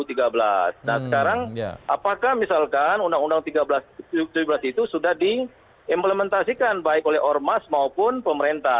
nah sekarang apakah misalkan undang undang tiga belas itu sudah diimplementasikan baik oleh ormas maupun pemerintah